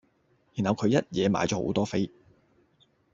然後佢一野買左好多飛